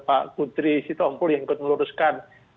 pak putri sitompul yang ikut meluruskan